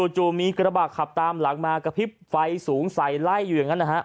จู่มีกระบะขับตามหลังมากระพริบไฟสูงใส่ไล่อยู่อย่างนั้นนะฮะ